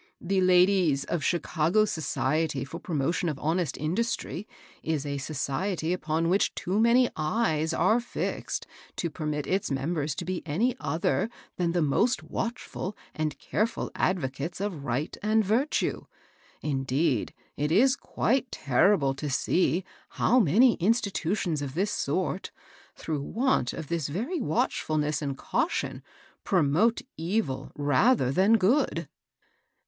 *The ladies of Chicago's Society for Promotion of Honest Industry ' is a society upon which too many eyes are fixed to permit its members to be any other than the most watchful and careful advocates of right and virtue. Indeed, it is quite terrible to see how many institutions of this sort, through want of this very watchfulness and caution, pro mote evil rather than good."